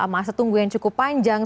masa tunggu yang cukup panjang